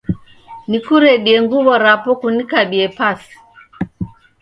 Nikuredie nguw'o rapo kunikabie pasi ?